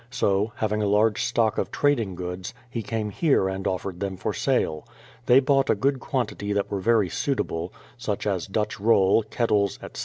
So, having a large stock of trading goods, he came here and offered them for sale. They bought a good quantity that were very suitable, such as Dutch roll, kettles, etc.